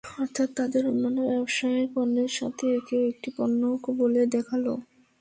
অর্থাৎ তাদের অনান্য ব্যবসায়িক পণ্যের সাথে একেও একটি পণ্য বলে দেখালো।